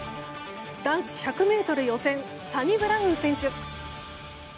男子１００ｍ予選サニブラウン選手。